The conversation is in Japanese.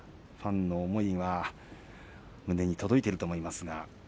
ファンの思いは胸に届いていると思います。